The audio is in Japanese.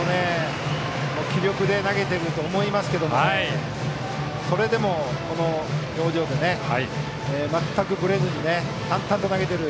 気力で投げていると思いますがそれでも、この表情で全くぶれずに淡々と投げている。